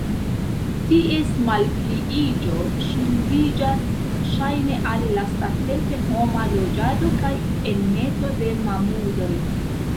Ties malpliiĝo ŝuldiĝas ŝajne al lastatempe homa loĝado kaj enmeto de mamuloj.